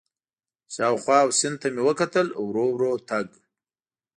شاوخوا او سیند ته مې وکتل، ورو ورو تګ.